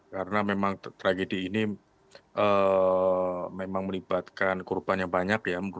karena memang tragedi ini memang melibatkan korban yang banyak ya